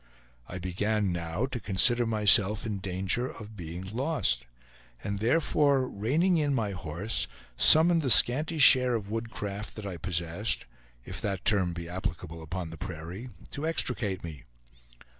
I began now to consider myself in danger of being lost; and therefore, reining in my horse, summoned the scanty share of woodcraft that I possessed (if that term he applicable upon the prairie) to extricate me.